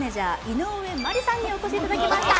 井上真里さんにお越しいただきました